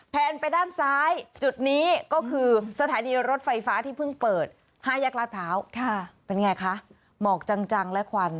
ไปด้านซ้ายจุดนี้ก็คือสถานีรถไฟฟ้าที่เพิ่งเปิด๕แยกลาดพร้าวเป็นไงคะหมอกจังและควัน